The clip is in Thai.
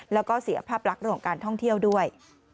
แล้วก็เสียภาพลักษณ์ของการท่องเที่ยวด้วย